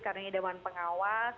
karena ini dewan pengawas